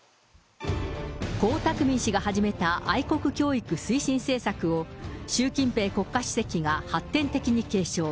江沢民氏が始めた愛国教育推進政策を、習近平国家主席が発展的に継承。